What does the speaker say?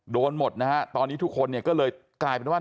หมดนะฮะตอนนี้ทุกคนเนี่ยก็เลยกลายเป็นว่า